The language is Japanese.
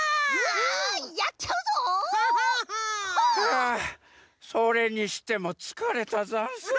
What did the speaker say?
あそれにしてもつかれたざんす。